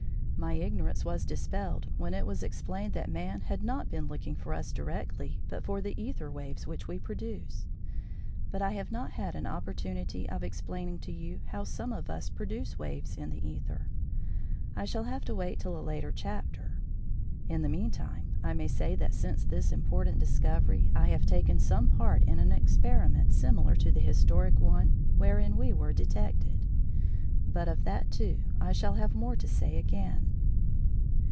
My ignorance was dispelled when it was explained that man had not been looking for us directly, but for the æther waves which we produce. But I have not had an opportunity of explaining to you how some of us produce waves in the æther; I shall have to wait till a later chapter. In the meantime I may say that since this important discovery I have taken some part in an experiment similar to the historic one wherein we were detected, but of that too I shall have more to say again.